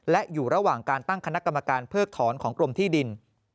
และอยู่ระหว่างการตั้งคณะกรรมการเพิกถอนของกรมที่ดิน